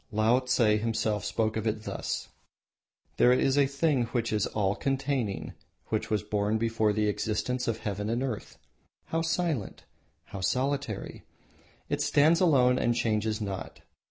Laotse himself spoke of it thus: "There is a thing which is all containing, which was born before the existence of Heaven and Earth. How silent! How solitary! It stands alone and changes not.